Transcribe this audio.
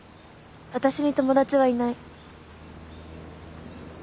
私に友達はいない